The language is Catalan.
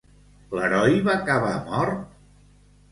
L'heroi va acabar mort?